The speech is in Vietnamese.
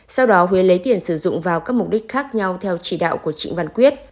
sau đó huế lấy tiền sử dụng vào các mục đích khác nhau theo chỉ đạo của trịnh văn quyết